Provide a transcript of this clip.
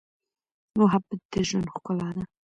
محبت د ژوند ښکلا ده.